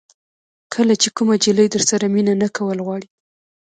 کله چې کومه جلۍ درسره مینه نه کول غواړي.